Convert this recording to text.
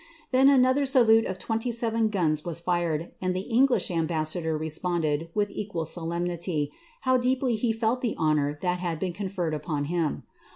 Then another salute of twenty seven gims was fired, and Bnglish ambassador responded, with equal solemnity, how deeply It the honour that had been conferred upon him.